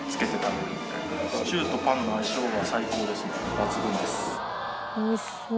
抜群です。